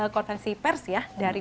konversi pers ya dari